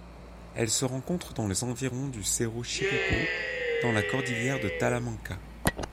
Elle se rencontre dans les environs du cerro Chirripó dans la cordillère de Talamanca.